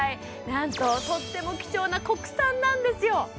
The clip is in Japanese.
なんととっても貴重な国産なんですよ